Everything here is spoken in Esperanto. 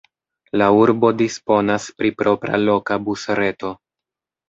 La urbo disponas pri propra loka busreto.